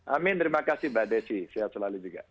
amin terima kasih mbak desi sehat selalu juga